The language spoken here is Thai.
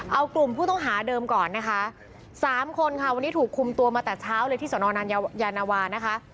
เอากลุ่มผู้ต้องหาเดิมก่อนนะคะสามคนค่ะวันนี้ถูกคุมตัวมาแต่เช้าเลยที่สนยานวานะคะ